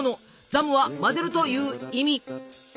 「ザム」は混ぜるという意味。